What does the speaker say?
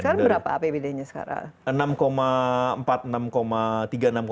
sekarang berapa apbd nya sekarang